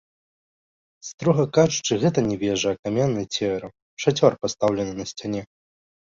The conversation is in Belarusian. Строга кажучы, гэта не вежа, а каменны церам, шацёр, пастаўлены на сцяне.